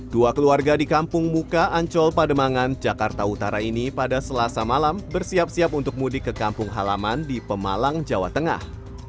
dua keluarga di kampung muka ancol pademangan jakarta utara ini pada selasa malam bersiap siap untuk mudik ke kampung halaman di pemalang jawa tengah